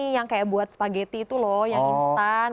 yang kayak buat spaghetti itu loh yang instan